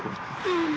うん。